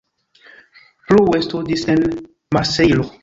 Plue studis en Marsejlo.